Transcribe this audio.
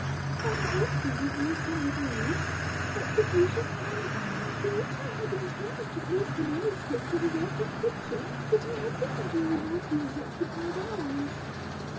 I had also with me a somewhat old, but capacious hand bag in which I had intended to place the manuscript of a work of fiction that I had written during my few unoccupied hours.